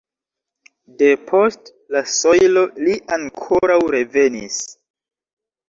De post la sojlo li ankoraŭ revenis.